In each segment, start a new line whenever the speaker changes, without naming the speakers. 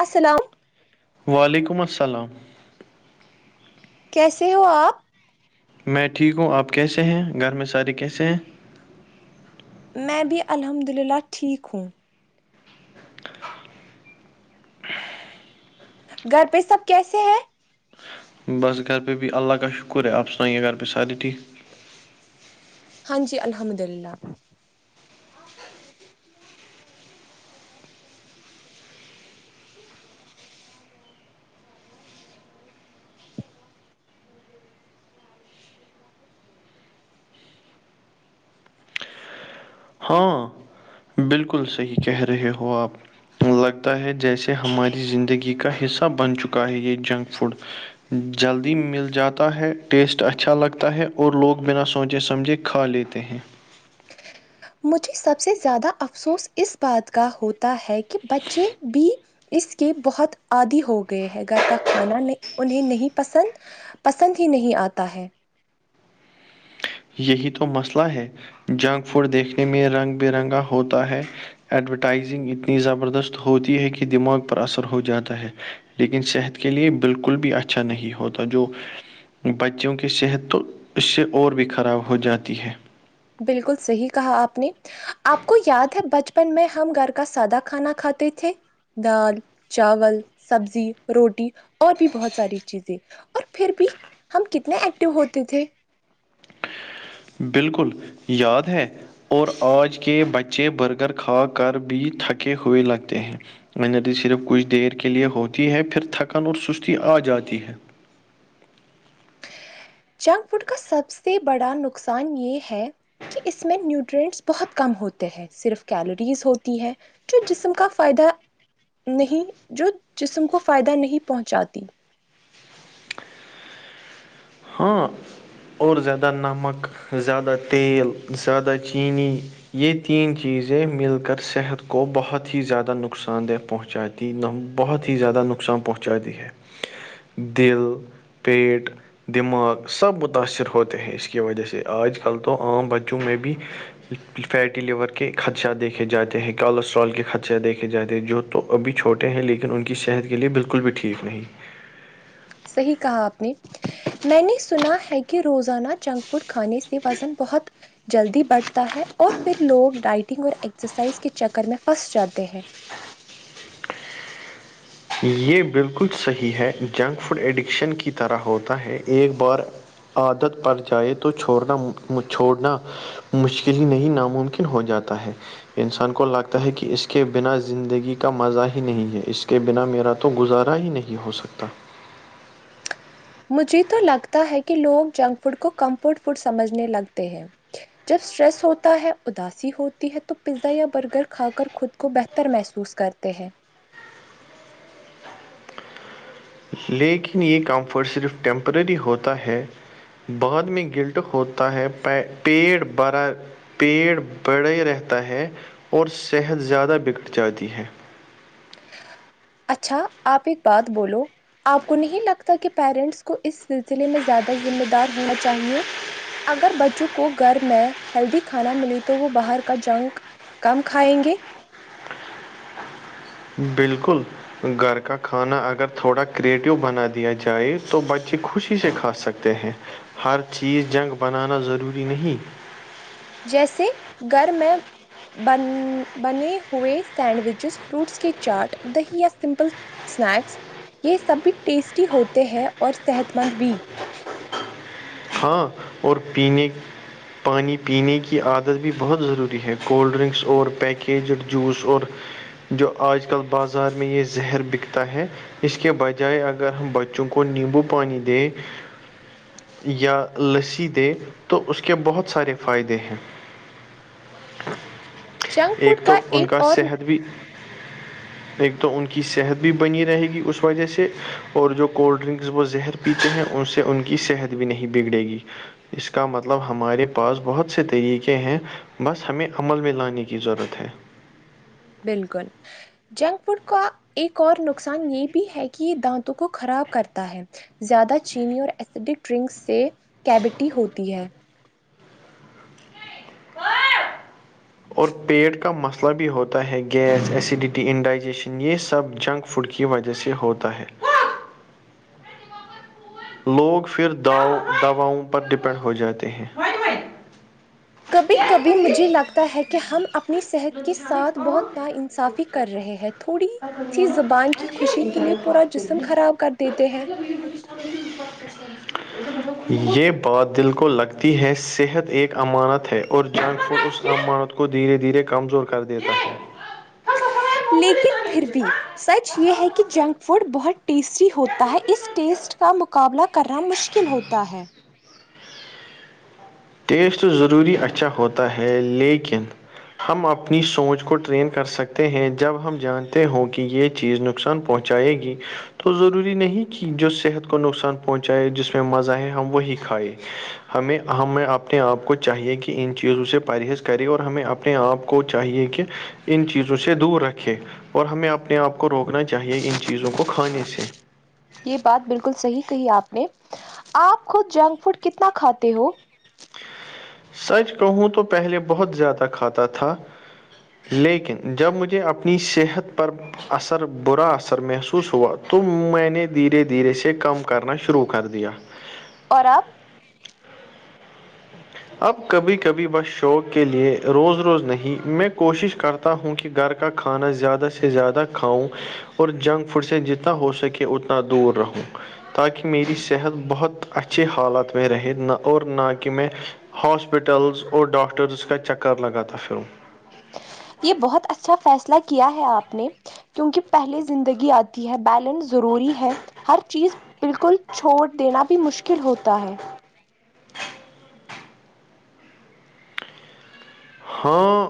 السلام
وعلیکم السلام
کیسے ہو آپ
میں ٹھیک ہوں آپ کیسے ہیں گھر میں سارے کیسے ہیں
میں بھی الحمد للہ ٹھیک ہوں گھر پہ سب کیسے ہیں
بس گھر پہ بھی اللہ کا شکر ہے آپ سنائیں گھر پہ سارے ٹھیک
ہاں جی الحمد للہ [inaudible]
ہاں بالکل صحیح کہہ رہے ہو آپ لگتا ہے جیسے ہماری زندگی کا حصہ بن چکا ہے یہ جنک فوڈ جلدی مل جاتا ہے ٹیسٹ اچھا لگتا ہے اور لوگ بنا سوچے سمجھے کھا لیتے ہیں
مجھے سب سے زیادہ افسوس اس بات کا ہوتا ہے کہ بچے بھی اس کے بہت عادی ہو گئے ہیں گھر کا کھانا انہیں نہیں پسند پسند ہی نہیں آتا ہے
یہی تو مسئلہ ہے جنک فوڈ دیکھنے میں رنگ برنگا ہوتا ہے ایڈورٹائزنگ اتنی زبردست ہوتی ہے کہ دماغ پر اثر ہو جاتا ہے لیکن صحت کے لیے بالکل بھی اچھا نہیں ہوتا جو بچوں کی صحت تو اس سے اور بھی خراب ہو جاتی ہے
بالکل صحیح کہا آپ نے آپ کو یاد ہے بچپن میں ہم گھر کا سادہ کھانا کھاتے تھے دال چاول سبزی روٹی اور بھی بہت ساری چیزیں اور پھر بھی ہم کتنے ایکٹو ہوتے تھے
بالکل یاد ہے اور آج کے بچے برگر کھا کر بھی تھکے ہوئے لگتے ہیں انرجی صرف کچھ دیر کے لئے ہوتی ہے پھر تھکن اور سستی آ جاتی ہے
جنک فوڈ کا سب سے بڑا نقصان یہ ہے کہ اس میں نیوٹرینٹس بہت کم ہوتے ہیں صرف کیلوریز ہوتی ہے جو جسم کا فائدہ نہیں جو جسم کو فائدہ نہیں پہنچاتی
ہاں اور زیادہ نمک زیادہ تیل زیادہ چینی یہ تین چیزیں مل کر صحت کو بہت ہی زیادہ نقصان دہ پہنچاتی یہ بہت ہی زیادہ نقصان پہنچاتی ہے دل پیٹ دماغ سب متاثر ہوتے ہیں اس کی وجہ سے آج کل تو عام بچوں میں بھی فیٹی لیور کے خدشات دیکھے جاتے ہیں کوالسٹرال کے خدشات دیکھے جاتے ہیں جو تو ابھی چھوٹے ہیں لیکن ان کی صحت کے لیے بالکل بھی ٹھیک نہیں
صحیح کہا آپ نے میں نے سنا ہے کہ روزانہ جنک فوڈ کھانے سے وزن بہت جلدی بڑھتا ہے اور پھر لوگ ڈائٹنگ اور ایکسرسائز کے چکر میں پھنس جاتے ہیں
یہ بالکل صحیح ہے جنک فوڈ ایڈکشن کی طرح ہوتا ہے ایک بار عادت پڑ جائے تو چھوڑنا چھوڑنا مشکل ہی نہیں ناممکن ہو جاتا ہے انسان کو لگتا ہے کہ اس کے بنا زندگی کا مزہ ہی نہیں ہے اس کے بنا میرا تو گزارا ہی نہیں ہو سکتا
مجھے تو لگتا ہے کہ لوگ جنک فوڈ کو کمفرٹ فوڈ سمجھنے لگتے ہیں جب اسٹریس ہوتا ہے اداسی ہوتی ہے تو پیزا یا برگر کھا کر خود کو بہتر محسوس کرتے ہیں
لیکن یہ کمفرٹ صرف ٹیمپرری ہوتا ہے بعد میں گلٹ ہوتا ہے پا پیٹ بھرا پیٹ بڑھے رہتا ہے اور صحت زیادہ بگڑ جاتی ہے
اچھا آپ ایک بات بولو آپ کو نہیں لگتا کہ پیرنٹس کو اس سلسلے میں زیادہ ذمہ دار ہونا چاہیے اگر بچوں کو گھر میں ہیلدی کھانا ملے تو وہ باہر کا جنک کم کھائیں گیں
بالکل گھر کا کھانا اگر تھوڑا کریٹو بنا دیا جائے تو بچے خوشی سے کھا سک تے ہیں ہر چیز جنگ بنانا ضروری نہیں
جیسے گھر میں بن بنے ہوئے سینڈوچز فروٹس کے چاٹ دہی یا سمپل اسنیکس یہ سب بھی ٹیسٹی ہوتے ہیں اور صحت مند بھی
ہاں اور پینے پانی پینے کی عادت بھی بہت ضروری ہے کولڈ ڈرنکس اور پیکیجڈ جوس اور جو آج کل بازار میں یہ زہر بکتا ہے اس کے بجائے اگر ہم بچوں کو نیمبو پانی دیں یا لسی دے تو اس کے بہت سارے فائدے ہیں
جنک فوڈ کا ایک اور
ابھی ایک تو ان کی صحت بھی بنی رہے گی اس وجہ سے اور جو کولڈ ڈرنکس وہ زہر پیتے ہیں ان سے ان کی صحت بھی نہیں بگڑے گی اس کا مطلب ہمارے پاس بہت سے طریقے ہیں بس ہمیں عمل میں لانے کی ضرورت ہے
بالکل جنک فوڈ کا ایک اور نقصان یہ بھی ہے کہ یہ دانتوں کو خراب کرتا ہے زیادہ چینی اور ایسیڈک ڈرنکس سے کیوٹی ہوتی ہے
اور پیٹ کا مسلہ بھی ہوتا ہے گیس ایسیڈیٹی انڈائجیشن یہ سب جنگ فوڈ کی وجہ سے ہوتا ہے لوگ پھر داؤ دواؤں پر ڈپینڈ ہو جاتے ہیں
کبھی کبھی مجھے لگتا ہے کہ ہم اپنی صحت کے ساتھ بہت نا انصافی کر رہے ہیں تھوڑی سی زبان کی خوشی کے لیے پورا جسم
ہیں
خراب کر دیتے ہیں
یہ بات دل کو لگتی ہے صحت ایک امانت ہے اورجنگ فوڈ اس امانت کو کو دھیرے دھیرے کمزور کر دیتا ہے
لیکن پھر بھی سچ یہ ہے کہ جنک فوڈ بہت ٹیسٹی ہوتا ہے اس
ہے
ٹیسٹ کا مقابلہ کرنا مشکل ہوتا ہے
ٹیسٹ تو ضروری اچھا ہوتا ہے لیکن ہم اپنی سوچ کو ٹرین کر سکتے ہیں جب ہم جانتے ہوں کہ یہ چیز نقصان پہنچائے گی تو ضروری نہیں کہ جو صحت کو نقصان پہنچائے جس میں مزہ آئے ہم وہی کھائے ہمیں ہمیں آپ اپنے آپ کو چاہیے کہ ان چیزوں سے پرہیز کرے اور ہمیں اپنے آپ کو چاہیے کہ ان چیزوں سے دور رکھے اور ہمیں اپنے آپ کو روکنا چاہیے ان چیزوں کو کھانے سے
یہ بات بالکل صحیح کہی آپ نے آپ خود جنک فوڈ کتنا کھاتے ہو
سچ کہوں تو پہلے بہت زیادہ کھاتا تھا لیکن جب مجھے اپنی صحت پر اثر برا اثر محسوس ہوا تو میں نے دھیرے دھیرے سے کم کرنا شروع کر دیا
اور آب
اب کبھی کبھی بس شوق کے لئے روز روز نہیں میں کوشش کرتا پتہ ہوں کہ گھر کا کھانا زیادہ سے زیادہ کھاؤں اور جنک فوڈ سے جتنا زیادہ ہو سکے اتنا دور رہوں تاکہ میری صحت بہت اچھے حالات میں رہے نہ اور نہ کہ میں ہاسپٹلز اور ڈاکٹرز کا چکر لگا تھا پھر وہ
یہ بہت اچھا فیصلہ کیا ہے آپ نے کیونکہ پہلے زندگی آتی ہے بیلنس ضروری ہے ہر چیز بالکل چھوڑ دینا بھی مشکل ہوتا ہے
ہاں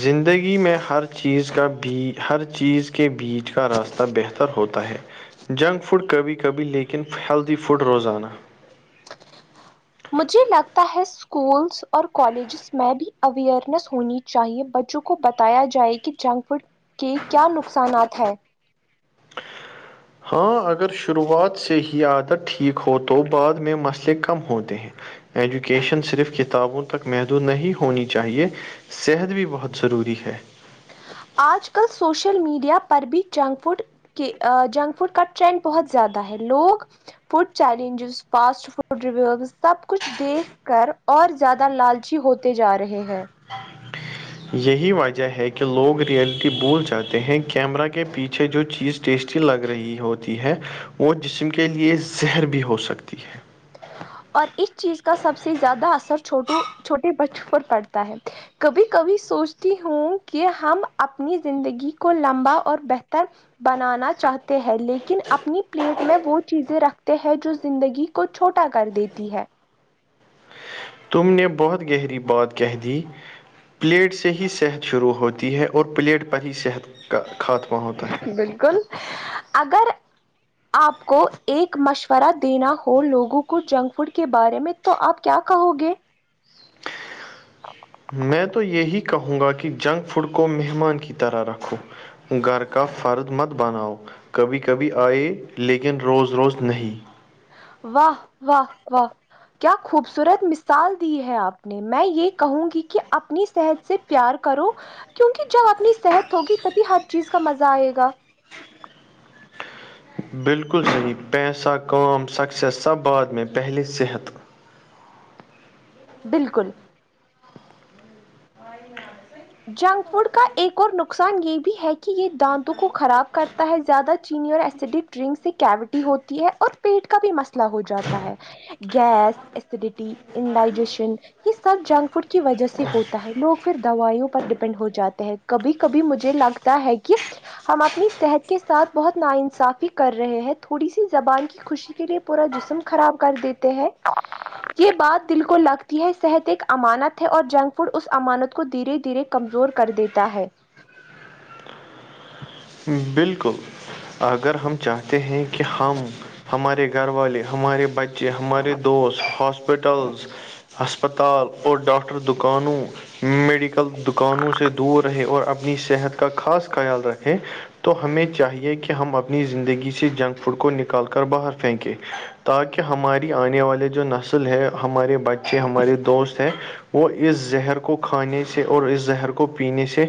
زندگی میں ہر چیز کا بھی ہر چیز کے بیچ کا راس تہ بہتر ہوتا ہے جنک فوڈ کبھی کبھی لیکن ہیلدی فوڈ روزانہ
مجھے لگتا ہے اسکولس اور کالج س میں اویئرنیس ہونی چاہیے بچوں کو بتایا جائے کہ جنک فوڈ کے کیا نقصانات ہیں
ہاں اگر شروعات سے ہی عادت ٹھیک ہو تو بعد میں مسئلے کم ہوتے ہیں ایجوکیشن صرف کتابوں تک محدود نہیں ہونی چاہیے صحت بھی بہت ضروری ہے
آج کل سوشل میڈیا پر بھی جنک فوڈ کہ جنک فوڈ کا ٹرینڈ بہت زیادہ ہے لوگ food challenges fast food reviews سب کچھ دیکھ کر اور زیادہ لالچی ہوتے جا رہے ہیں
یہی وجہ ہے کہ لوگ ریئلٹی بھول جاتے ہیں کیمرہ کے پیچھے جو چیز ٹیسٹی لگ رہی ہوتی ہے وہ جسم کے لیے زہر بھی ہو سکتی ہے
اور اس چیز کا سب سے زیادہ اثر چھوٹو چھوٹے بچوں پر پڑتا ہے کبھی کبھی سوچتی ہوں کہ ہم اپنی زندگی کو لمبا اور بہتر بنانا چاہتے ہیں لیکن اپنی پلیٹ میں وہ چیزیں رکھتے ہیں جو زندگی کو چھوٹا کر دیتی ہے
تم نے بہت گہری بات کہہ دی پلیٹ سے ہی صحت شروع ہوتی ہے اور پلیٹ پر ہی صحت کا کھاتم
بالکل اگر آپ کو ایک مشورہ دینا ہو لوگوں کو جنک فوڈ کے بارے میں تو آپ کیا کہو گے
میں تو یہی کہوں گا کہ جنک فوڈ کو مہمان کی طرح رکھو گھر کا فرد مت بناؤ کبھی کبھی آئے لیکن روز روز نہیں
واہ واہ واہ کیا خوبصورت مثال دی ہے آپ نے میں یہ کہوں گی کہ اپنی صحت سے پیار کرو کیونکہ جب اپنی صحت ہوگی تبھی ہر چیز کا مزہ آئے گا
بالکل صحیح پیسہ کام سکسیس سب بعد میں پہلے صحت
بالکل
[unintelligible]
جنک فوڈ کا ایک اور نقصان یہ بھی ہے کہ یہ دانتوں کو خراب کرتا ہے زیادہ چینی اور ایسڈک ڈرنک سے کیاوٹی ہوتی ہے اور پیٹ کا بھی مسئلہ ہو جاتا ہے گیس ایسیڈیٹی انڈائجیشن یہ سب جنک فوڈ کی وجہ سے ہوتا ہے لوگ پھر دوائیوں ڈیپینڈ ہو جاتے ہے کبھی کبھی مجھے لگتا ہے کہ ہم اپنی صحت کے ساتھ بہت نا انصافی کر رہے ہیں تھوڑی سی زبان کی خوشی کے لیے پورا جسم خراب کر دیتے ہیں یہ بات دل کو لگ یہ صحت ایک امانت ہے اور جنک فوڈ اس امانت کو دھیرے دھیرے کمزور کر دیتا ہے
بالکل اگر ہم چاہتے ہیں کہ ہم ہمارے گھر والے ہمارے بچے ہمارے دوست ہاسپٹلس ہسپتال اور ڈاکٹر دکانوں میڈیکل دکانوں سے دور رہے اور اپنی صحت کا خاص خیال رکھے تو ہمیں چاہیے کہ ہم اپنی زندگی سے جنک فوڈ کو نکال کر باہر پھینکیں تاکہ ہماری آنے والے جو نسل ہے ہمارے بچے ہمارے دوست ہیں وہ اس زہر کو کھانے سے اور اس زہر کو پینے سے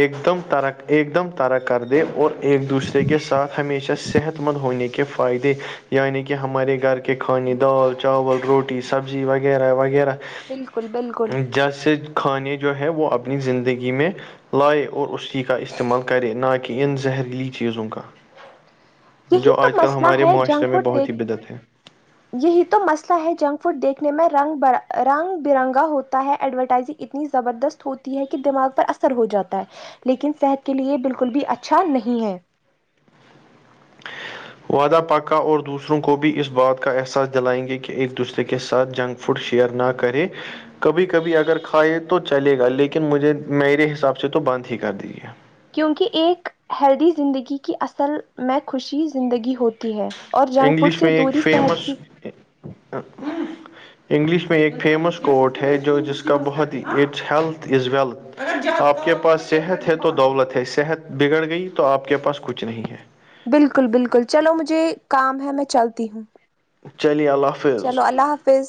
ایک دم ترک ایک دم طرک کر دے اور ایک دوسرے کے ساتھ ہمیشہ صحت مند ہونے کے فائدے یعنی کہ ہمارے گھر کے کھانے دال چاول روٹی سبزی وغیرہ وغیرہ
بالکل بالکل
جیسے کھانے جو ہے وہ اپنی زندگی میں لائے اور اسی کا استعمال کرے نہ کہ ان زہریلی چیزوں کا
یہی
جو
تو
آج کل
مسئلہ
ہمارے
ہے
معاشرے
جنک
میں
فوڈ
بہت
دیکھ
ہی بدت ہے
یہی تو مسئلہ ہے جنک فوڈ دیکھنے میں رنگ رنگ برنگا ہوتا ہے ایڈورٹائزنگ اتنی زبردست ہوتی ہے کہ دماغ پر اثر ہو جاتا ہے لیکن صحت کے لیے بالکل بھی اچھا نہیں ہے
وعدہ پکا اور دوسروں کو بھی اس بات کا احساس دلائیں گے کہ ایک دوسرے کے ساتھ جنگ فوٹ شیر نا کرے کبھی کبھی اگر کھائے تو چلے گا لیکن مجھے میرے حساب سے تو بند ہی کر دیجیے
کیونکہ ایک ہیلدی زندگی کی اصل میں خوشی زندگی ہوتی ہے اور جنک فوڈ
انگلش
سے
میں ایک
دوری صحت
فیمس
کی
[unintelligible] انگلش میں ایک فیمس کوٹ ہے جو جس کا بہت ہی اٹس ہیلتھ از ویلتھ آپ کے پاس صحت ہے تو دولت ہے صحت بگڑ گئی تو آپ کے پاس کچھ نہیں ہے
بالکل بالکل چلو مجھے کام ہے میں چلتی ہوں
چلیے اللہ حفظ
چلو اللہ حافظ